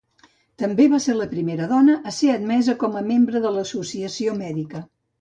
També va ser la primera dona a ser admesa com a membre de l'associació mèdica.